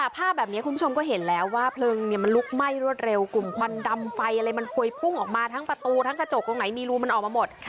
ภาพแบบนี้คุณผู้ชมก็เห็นแล้วว่าเพลิงมันลุกไหม้รวดเร็วกลุ่มควันดำไฟอะไรมันพวยพุ่งออกมาทั้งประตูทั้งกระจกตรงไหนมีรูมันออกมาหมด